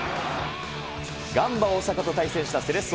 ガンバ大阪と対戦したセレッソ